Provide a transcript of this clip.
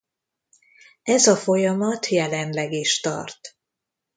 Ez a folyamat jelenleg is tart.